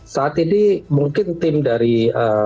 saat ini mungkin tim dari